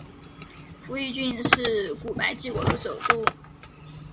扶余郡是古百济国的首都。